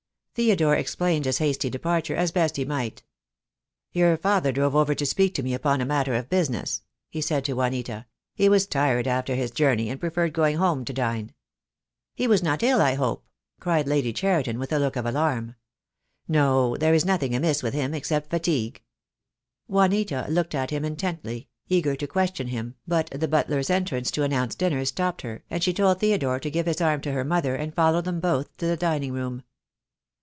Theodore explained his hasty departure as best he might. "Your father drove over to speak to me upon a matter of business," he said to Juanita. "He was tired after his journey, and preferred going home to dine." "He was not ill, I hope?" cried Lady Cheriton, with a look of alarm. THE DAY WILL COME. 273 "No, there is nothing amiss with him, except fatigue." Juanita looked at him intently, eager to question him, but the butler's entrance to announce dinner stopped her, and she told Theodore to give his arm to her mother, and followed them both to the dining room.